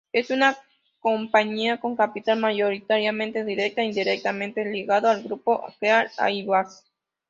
Es una compañía con capital mayoritariamente directa e indirectamente ligado al Grupo Qatar Airways.